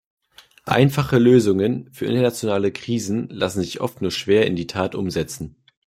Einfache Lösungen für internationale Krisen lassen sich oft nur schwer in die Tat umsetzen.